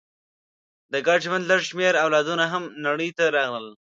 د ګډ ژوند لږ شمېر اولادونه هم نړۍ ته راغلل.